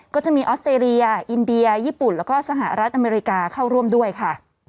ก็จะมีออสเตรเลียอินเดียญี่ปุ่นแล้วก็สหรัฐอเมริกาเข้าร่วมด้วยค่ะ